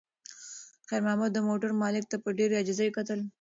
خیر محمد د موټر مالک ته په ډېرې عاجزۍ کتل.